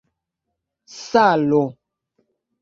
salo